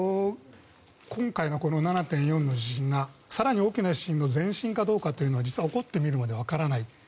今回の７．４の地震が更に大きな地震の前震かというのは実は起こってみるまで分からない。